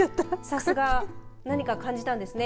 さすが、何か感じたんですね。